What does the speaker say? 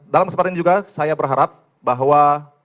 dalam kesempatan ini juga saya berharap bahwa